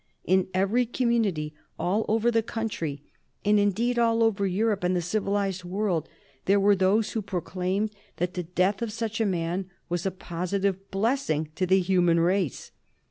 In every community all over the country, and indeed all over Europe and the civilized world, there were those who proclaimed that the death of such a man was a positive blessing to the human race.